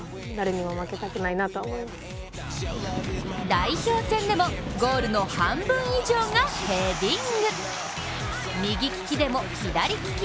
代表戦でも、ゴールの半分以上がヘディング。